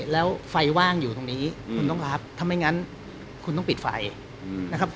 แล้วไฟว่างอยู่ตรงนี้คุณต้องรับถ้าไม่งั้นคุณต้องปิดไฟนะครับ